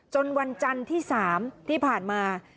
วันจันทร์ที่๓ที่ผ่านมา